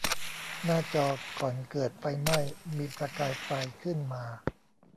หน้าจอก่อนเกิดไฟไหม้มีประกายไฟขึ้นมา